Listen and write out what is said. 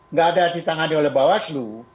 nggak ada ditangani oleh bawaslu